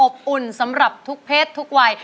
อุ่นสำหรับทุกเพศทุกวัย